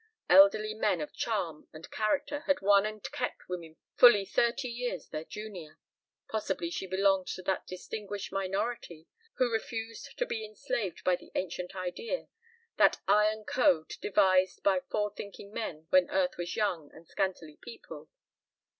Elderly men of charm and character had won and kept women fully thirty years their junior. Possibly she belonged to that distinguished minority who refused to be enslaved by the Ancient Idea, that iron code devised by fore thinking men when Earth was young and scantily peopled.